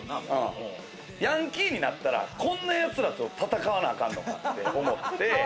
ヤンキーになったら、こんな奴らと戦わなあかんのかって思って。